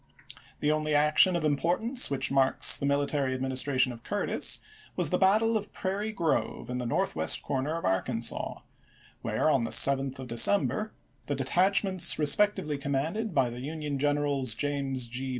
The only action of importance which marks the mihtary ad ministration of Curtis was the battle of Prairie Grove in the northwest corner of Arkansas, where on the 7th of December the detachments respec isea. tively commanded by the Union generals James Gr.